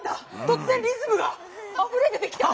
とつぜんリズムがあふれ出てきた！